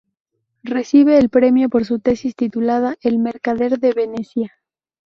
Recibe el premio por su tesis titulada El mercader de Venecia.